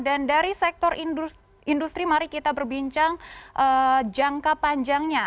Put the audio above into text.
dan dari sektor industri mari kita berbincang jangka panjangnya